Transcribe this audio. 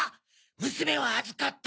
「娘は預かった。